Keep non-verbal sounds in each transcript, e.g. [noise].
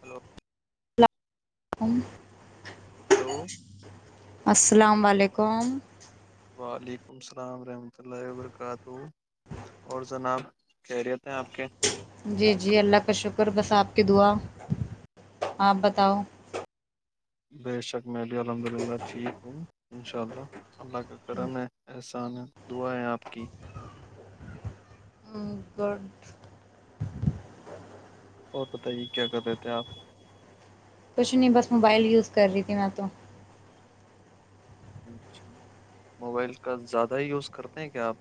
Hello um hello السلام علیکم کم وعلیکم السلام رحمۃ اللہ وبرکاتہ اور جناب کہریت ہیں آپ کے جی جی اللہ کا شکر بس آپ کی دعا آپ بتاؤ بے شک میں بھی الحمد للہ ٹھیک ہوں انشاء اللہ اللہ کا کرم ہے احسان ہے دعا ہے آپ کی ا گر اور بتائیے کیا کر رہ تھ ہیں آپ کچھ نہیں بس موبائل یوز کر رہی تھی میں تو اچھا موبائل کا زیادہ ہی یوز کرتے ہیں کیا آپ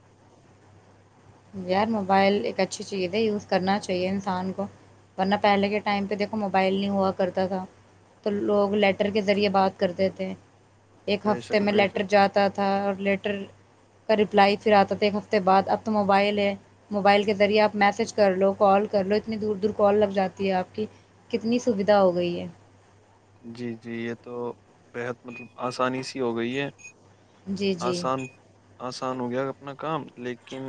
یار موبائل ایک اچھی چیز ہے یوز کرنا چاہیے انسان کو ورنہ پہلے کے ٹائم پہ دیکھو موبائل نہیں ہوا کرتا تھا تو لوگ لیٹ لیٹر کے ذریعے بات کرتے تھے ایک بے ہفتے شک میں بے لیٹر شک جاتا تھا اور لیٹر رپلائی پھر آتا تھا ایک ہفتے بع اب تو مو موبائل ہے موبائل کے ذریعے آپ میسج کر لو کال کر لو اتنی دور دور کال لگ جاتی ہے آپ کی کتنی سویدھا ہو گئی ہے جی جی یہ تو بےحد مطلب آسانی سی ہو گئی ہے جی جی آسان آسان ہو گیا اپنا کام لیکن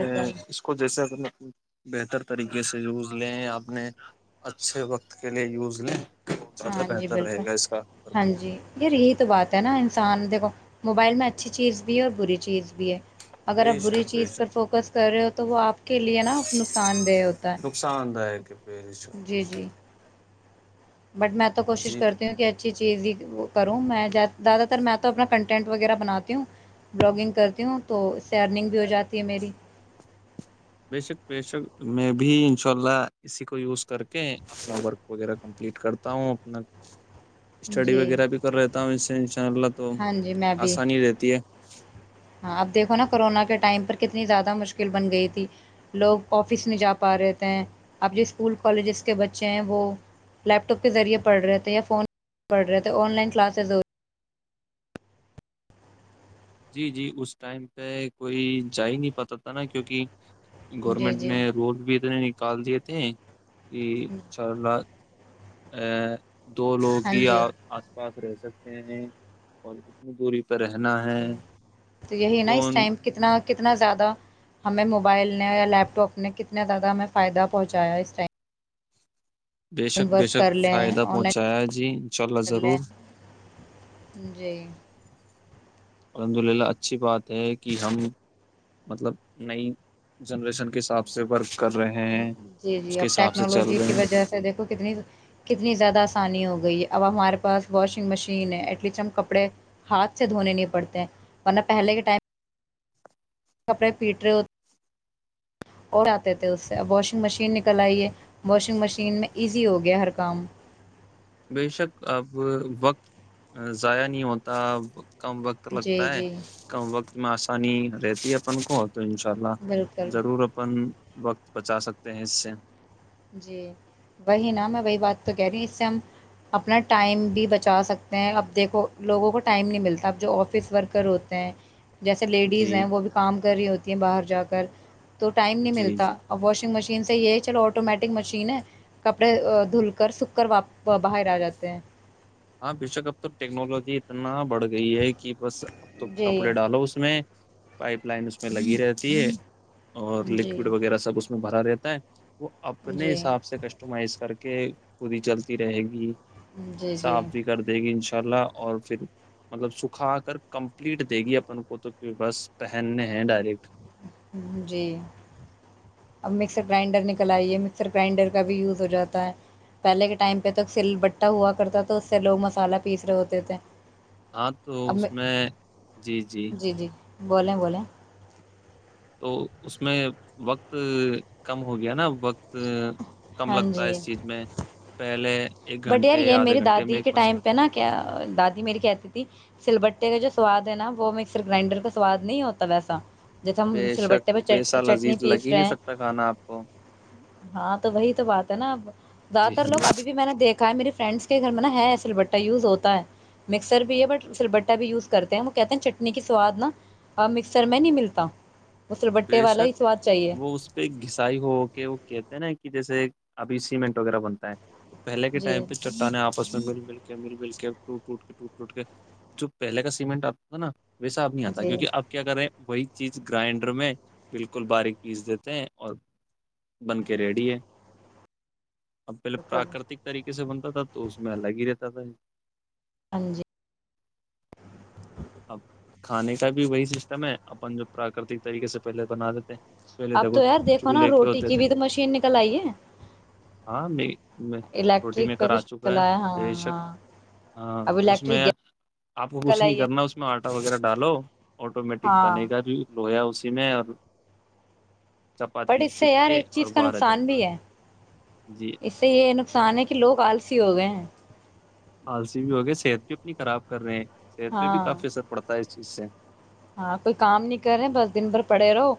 ا اس کو جیسے بہتر طریقے سے یوز لیں اپنے اچھے وقت کے لیے یوز لیں تو زیادہ ہاں جی بہتر بالکل رہے گا اس کا ہاں جی ار یہی تو بات ہے نا انسان د کو موبائل میں اچھی چیز بھی ہے اور بری چیز بھی ہے اگر آپ بے بری شک چیز بے پر شک فوکس کر رہے ہو تو وہ آپ کے لیے نا نقصان دہ ہوتا نقصان داک بے ہے شک بے جی جی شک بٹ میں تو کوشش جی تو کرتی ہوں کہ اچھی چیز ہی کروں میں زیادہ تر میں تو اپنا کنٹینٹ وغیرہ بناتی ہوں بلاگنگ کرتی ہوں تو سیئرننگ بھی ہو جاتی ہے میری بشک بشک میں بھی ان شاء اللہ اسی کو یوز کر کے اپنا ورک وغیرہ کمپلیٹ کرتا ہوں اپنا اسٹڈی جی وغیرہ بھی کر رہتا ہوں ان سے ان شاء اللہ تو ہاں جی میں بھی آسانی رہتی ہے ہاں اب دیکھو نا کورونا کے ٹائم پر کتنی زیادہ مشکل بن گئی تھی لوگ آفس نہیں جا پا رہے تھے اب جو اسکول کالجز کے بچے ہیں وہ لیپٹاپ کے ذریعے پڑھ رہے تھے یا فون پڑھ رہے تھے on line کلاسزی G G us time پہ کوئی جا ہی نہیں پات تھا نا کیونکہ رہی۔ جی گورنمنٹ جی نے رول بھی اتنے کال دیے تھے یہ چرنا ا [unintelligible] دو لوگوں ہاں ہی آ جی آس پاس رہ سکتے ہیں اور کتنی دوری [unintelligible] پہ رہنا ہے تو یہی نا اس کون ٹائم کتنا کتنا زیادہ ہمیں موبائل نے یا لیپ ٹاپ نے کتنا زیادہ ہمیں فائدہ پہنچایا اس ٹائم بے شک بے ورک شک کر لیں فائدہ آن لائن پہنچایا جی انشاءلہ کر لیں ضرور جی الحمد للہ اچھی بات ہے کہ ہم مطلب نئی جنریشن کے حساب سےور جی جی اب چل ٹیکنالوجی کی رہے ہیں وجہ سے دیکھو کتنی کتنی زیادہ آسانی ہوگی گئی ہے اب ہمارے پاس واشنگ مشین ہے ایٹ لیسٹ ہم کپڑے ہاتھ سے دھونے نہیں پڑتے ہیں ورنہ پہلے کے ٹائم کپڑے پیٹ رہے ہوتے اور آے تھے اس سے اب واشنگ مشین نکل آئیے واشنگ مشین میں ایزی ہو گیا ہر کام بے شک اب وقت ضائع نہیں ہوتا کم وقت لگتا جی ہے جی کم وقت آسانی رہتی اپن کو تو ان شاء اللہ بالکل ضرور اپن وقت بچا سکتے ہیں اس سے جی وہی نا میں وہی بات تو کہہ رہی ہ اس سے ہم اپنا ٹائم بھی بچا سکتے ہیں اب دیکھو لوگوں کو ٹائم نہیں ملتا اب جو آفس ورکر ہوتے ہیں جیسے جی لیڈیز ہیں وہ بھی کام کر رہی ہوتی ہیں باہر جا کر تو ٹائم نہیں جی ملتا جی اب واشنگ مشین انسے یہ چلو آٹومیٹک مشین ہے کپڑے دھل کر سوکھ کر باہر آ جاتے ہیں ہاں بےشک اب تو ٹیکنالوجی اتنا بڑھ گئی ہے کہ بس اب تو جی کپڑے ڈالو اس میں پائپ لائن اس میں لگی رہتی ہے اور جی لکوڈ وغیرہ سب اس میں بھرا رہتا ہے وہ اپنے جی حساب سے کسٹمائز کر کہ خد ہی چلتی رہے گی جی جی صاف بھی کر دے گی ان انشا اللہ اور پھر مطلب سکھا کر کمپلیٹ دے گی اپن کو تو بس پہننے ہیں ڈائریکٹ جی اب مکسر گرائنڈر نک کلائیے مکسر گرائنڈر کا بھی یوز ہو جاتا ہے پہلے کے ٹائم پہ تو سل بٹا ہوا کرتا تھا تو اس سے لوگ مسالہ پیس رہے ہوتے تھے ہاں تو اس میں جی جی بولیں بولیں تو اس میں وقت کم ہو گیا نا وقت کم ہاں لگتا ہے جی اس چیز میں پہلے ایک بٹ یار گھنٹے یہ یا آدھے میری گھنٹے میں دادی کے ایک مس ٹائم پہ نا کیا دادی میری کہتی تھی سل بٹے کا جو سواد ہے نا وہ مکسر گرائنڈر کا سواد نہیں ہوتا ویسا جیسے ہم بے سل بٹے شک پہ ویسا چٹنی لذیذ لگ پیس ہی نہیں رہے ہیں سکتا کھانا آپ کو ہاں تو وہی تو بات ہے نا اب زیادہ جی تر لوگ ابھی بھی میں نے دیکھ مے فرینڈس کے گھر میں نا ہے سلبٹا یوز ہوتا ہے مکسر بھی ہے بٹ سلبٹا بھی یوز کرتے ہیں وہ کہتے ہیں چٹنی کا سواد نا مکسر میں نہیں ملتا وہ سلبٹے والا بےشک ہی سواد چاہیے وہ اس پہ گھسائی ہو کے وہ کہتے نا کہ کہ جیسے ابھی سیمنٹ وغیرہ بنتا ہے پہے کے جی ٹائم پہ چٹانیں آپس میں مل مل جب مل مل کے ٹوٹ ٹوٹ کے ٹوٹ ٹوٹ کے جو پہلے کا سیمنٹ آتا تھا نا ویسا اب نہیں آتا جی کیو نکہ اب کیا کر رھے ہیں وہی چیز گرائنڈ بالکل باریک پیس دیتے ہیں اور بن کے ریڈی ہے آ پہل بالکل، پراکرتک طریقے س بنتا تھا تو اس میں الگ ہی رہتا تھا ہاں جی اب کھانے کا بھی وہی سسٹم ہے اپن جو پراکرتک طریقے سے پہلے بنا دیتے ہیں پہلے اب دیکھو تو یار دیکھو نا چولہے کے روٹی ہوتے کی تھے بھی تو مشین نکل آئی ہے ہاں روٹی الیکٹرک کا میکر آ کچھ چکا نکل ہے آیا ہاں بے شک ہاں ہاں اب اس میں الیکٹرک آپ کو گیس کچھ نکل نہیں آئی ہے کرنا اس میں آٹا وغیرہ ڈالو آٹومیٹک ہاں بنے گا بھی لوہ جی میں اور بٹ چپاتی اس سے سک یار کے ایک اور چیز کا بارہ دیں نقصان بھی ہے جی اس سے یہ ن سانے کے لوگ آلسی ہو گئے ہیں پالسی بھی ہوگی صحت بھی اپنی خراب کر رہے ہیں صحت پہ بھی ہاں کافی اثر پڑتا ہے جی سے ہاں کوئی کام نہیں کر رہے بس دن بھر پڑے رہو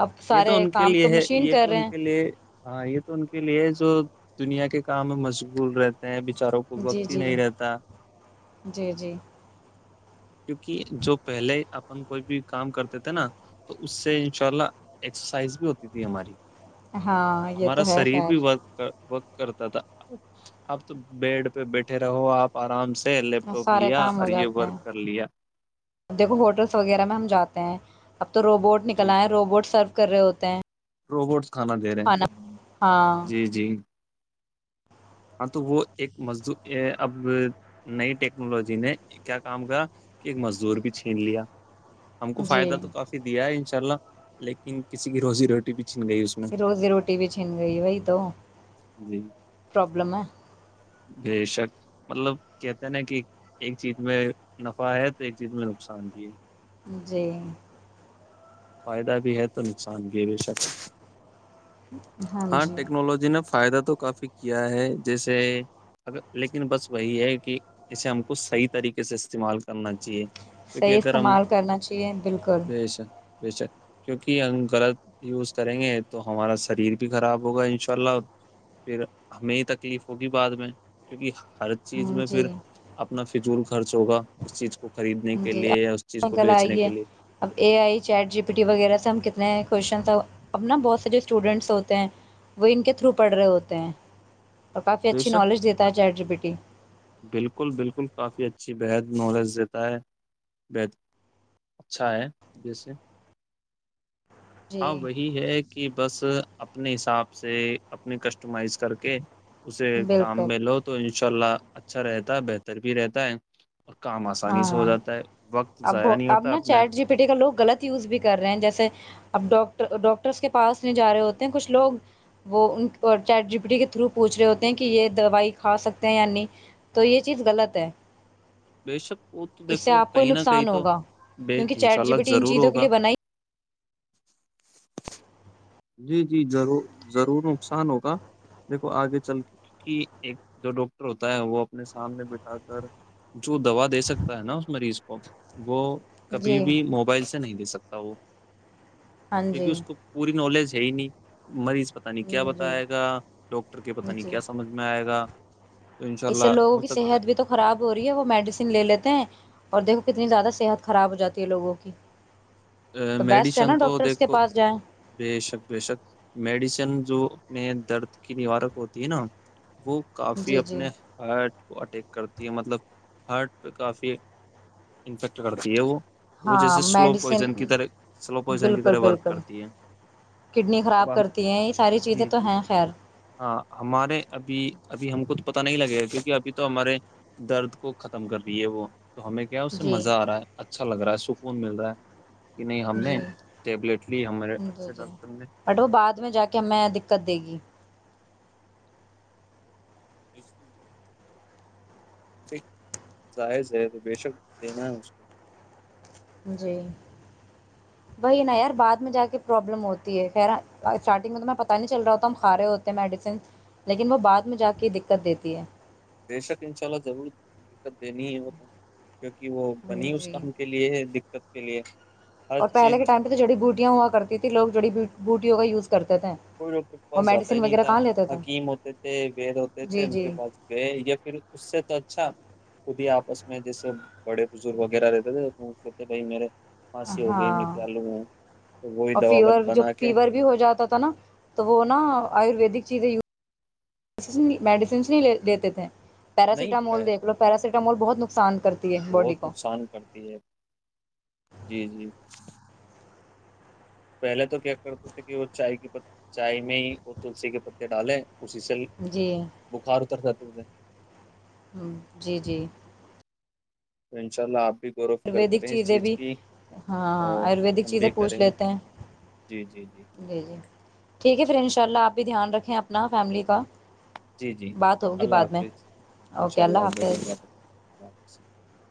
اب یہ سارے تو ان کے کام تو لیے ہے مشین یہ کر تو رہے ان ہیں کے لیے ہاں یہ تو ان کے لیے جو دنیا کے کام میں مجبور رہتے بچاروں کو جی وقتی جی نہیں رہتا جی جی کیونکہ جو پہلے اپ کوئی بھی کام کرتے تھے نا تو اس سے انشاء اللہ ایکسرسائز بھی ہوتی تھی ہماری ہاں یہ ہمارا تو ہے شریر خیر بھی ورک ورک کرتا تھا اب تو بیڈ پہ بیٹھے رہو آپ آرام سے لیپ ٹاپ سارے لیا کام اور ہو یہ جاتے ورک ہیں لیا دیکھو ہوٹلس وغیرہ میں ہم جاتے ہیں اب تو روبوٹ نکل آ ہے روبوٹ سرف کر رہے ہوتے ہیں روبوٹ کھانا دے رہے ہیں کھانا ہاں جی جی ہاں تو وہ ایک مزد اب نئی ٹیکنالوجی نے کیا کام کر کہ ایک مزدور بھی چھین لیا ہم کو جی فائدہ تو کافی دیا ہے ان چلا لیکن کسی کی روزی روٹی بھی چھن گئی اس میں روزی روٹی بھی چھین گئی بی تو جی پروابلم ہے بے شک مطلب کہتے نا کہ ایک چیز میں نفع ہے تو ایک چیز میں نقصان بھی ہے جی فائدہ بھی ہے تو نقصان بھی بے شک ہاں ٹیکنالوجی نے [unintelligible] فائدہ تو کافی کیا ہے جیسے ا لیکن بس وہی ہے کہ اسے ہم کو صحیح طریقے سے استعمال کرنا چاہیے [unintelligible] صحیح اگر ہم استعمال کرنا چاہیے بالکل [unintelligible] بک کیونکہ ہم غلط یوز کریں گے تو ہمارا شریر [unintelligible] خراب ہوگا ان شاء اللہ پھر ہمیں ہی تکلیف ہوگی بعد میں کیونکہ [unintelligible] ہر چیز ہوں میں پھر جی اپنا فضول [unintelligible] خرچ ہوا اس چیز کو [unintelligible] کے جی لیے یا اس چیز آ کو کل بیچنے آئیے کے لیے اب A I chat G P T وغیرہ سے ہم کتنے ہیں [unintelligible] کوشچنس اپبنا بہت سے جو اسٹوڈنٹس ہوتے ہیں وہ ان کے تھرو پڑھ رہے ہوتے ہیں [unintelligible] اور کافی بے اچھی شک نالج دیتا ہے چیٹری بیٹی [unintelligible] بالکل بالکل کافی اچھی بحد نالج دیتا ہے بحد اچھا ہے جیسے [inaudible] ہاں جی وہی ہے کہ بس [inaudible] اپنے حساب سے اپنی کسٹمائز کر کے [inaudible] اسے کام بالکل میں لو تو انشاء اللہ [inaudible] اچھا رہتا ہے بہتر بھی رہتا ہے [inaudible] آسانی سے ہو ہاں جاتا ہے وقت اب ضائع نہیں اب ہوتا نا اپنے چیٹ جی پی ٹی کا لوگ غلط یوز بھی کر رہے ہیں جیسے اب ڈاک [unintelligible] ڈاکٹرس کے پاس نہیں جا رہے ہوتے ہیں کچھ لوگ وہ انپٹی کے تھرو پوچھ رہے ہوتے ہیں کہ یہ دوائی کھا سکتے ہیں یا نہیں تو یہ چیز غلط ہے [inaudible] بے شک وہ تو اس سے دیکھو آپ کو ہی کہیں نہ کہیں نقصان تو ہوگا کیونکہ انشاء چیٹ جی اللہ پی ٹی ان ضرور چیزوں کے ہوگا لیے [inaudible] بنا جی جی ضرور ضرور نقصان ہوگا دیکھو آگے چل کے ایک جو ڈاکٹر ہوتا ہے وہ اپنے سامنے بٹھا کر جو دوا دے سکتا ہے نا اس مریض کو وہ [inaudible] کبھی جی بھی موبائل سے نہیں دے سکتا [inaudible] سو ہاں [inaudible] کیکہ جی اس کو پوری نالج [inaudible] یہی نہیں مریض پتا نہیں کیا جی بتاائے گا ڈاکٹر کے پتاہ نہیں جی کیا سمجھ میں آئے گا [inaudible] تو ان شاء اس سے اللہ لوگوں ہو کی سکتا صحت بھی تو خراب ہو رہی ہے وہ میڈیسن لے لیتے ہیں [inaudible] اور دیکھو کتنی زیادہ صحت خراب ہو جاتی ہے لوگوں کی [inaudible] تو بیسٹ ہے میڈیسن نا تو ڈاکٹرس کے دیکھو پاس جائیں بے شک بے شک میڈیسن جونے درد کی نوارک ہوتی ہے نا وہ کافی جی جی اپنے ہارٹ کو اٹیک کرتی ہے مطلب ہارٹ پہ کافی انفیکٹ کرتی ہے وہ وہ ہاں جیسے میڈ سلو پوائزن کی طرح سلو پوائزن کی طرح ورک کرتی ہے کڈنی اب خراب ہم کرتی ہیں یہ ساری چیزیں جی تو جی ہیں خیر ہاں ہمارے ابھی ابھی ہم کو پت نہیں لگے گا کیونکہ ابھی تو ہمارے درد کو ختم کر دی ہے وہ تو ہمیں کیا اس سے جی مزہ آ رہا ہے اچھا لگ رہا ہے سکون مل رہا ہے کہ نہیں ہم نے جی ٹیبلیٹ لی ہمارے جی اچھے جی ڈاکٹر نے بٹ وہ بعد میں جا کے ہمیں دقت دے گی [inaudible] ٹھیک جائز ہے تو بے شک دینا ہے اس کو جی وہی نا یار بعد میں جا کے پرابلم ہوتی ہے خیر اسٹارٹنگ میں تو میں پتاہ نہیں چل رہا ہوتا ہم کھا رہے ہوتے ہیں میڈیسن لیکن وہ بعد میں جا کے دقت دیتی ہے بے شک انشاء اللہ ضرور دقت دینی ہے وہ تو کیوںکہ وہ بنی اس جی کام کے لیے دقت کے لیے ہر اور پہلے چیز کے ٹائم پہ تو جڑی بوٹیاں ہوا کرتی تھی لوگ جڑی بوٹیوں کایوز کوئی ڈاکٹر کے پاس جاتا ہی نہیں تھا کہاں لیتے تھے حکیم ہوتے تھے وید ہوتے تھے جی ان کے جی پاس گئے یا پھر اس سے تو اچھا خود ہی آپس میں جیسے بڑے بزرگ وغیرہ رہتے تھے بھ میرے پھانسی ہو گئی میں ہاں کیا لوں ہوں تو وہی اور دوا فیور جو بنا کے فیور بھی ہو جاتا تھا نا تو وہ نا آیورویدک چیزیں میڈیسنس نہیںے لیتے تھے نہیں پہ پیراسیٹامول دیک لو پا مول بہت نقصان کرتی ہے باڈی بہت کو نقصان کرتی ہے جی جی پہلے تو کیا کرتے تھے کہ وہ چائے کے چائے میں ہی وہ تلسی کے پتے ڈالے اسی سےلک جی بخار اتر ج [inaudible] ہ جی جی انشاء اللہ آپ بھی غور و فکر آیورویدک کریں اس چیزیں چیز بھی کی ہاں اور آیورویدک ہم چیزیں بھی پوچھ کریں گے لیتے ہیں جی جی جی جی ٹھیک ہے فرینش اللہ آپ بھی دھیان رکھیں اپنا فیملی کا جی جی بات ہوگی اللہ بعد میں حافظ انشاء اوکے اللہ حافظ ب [inaudible]